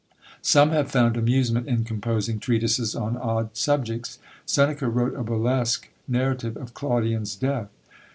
Some have found amusement in composing treatises on odd subjects. Seneca wrote a burlesque narrative of Claudian's death.